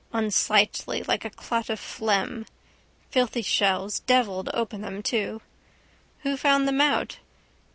Unsightly like a clot of phlegm. Filthy shells. Devil to open them too. Who found them out?